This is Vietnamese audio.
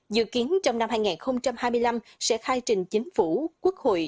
dự kiến trong năm hai nghìn hai mươi năm sẽ khai trình chính phủ quốc hội